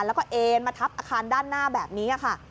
แล้วก็เอ็นมาทับอาคารด้านหน้าแบบนี้ค่ะ